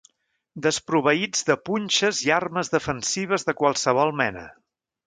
Desproveïts de punxes i armes defensives de qualsevol mena.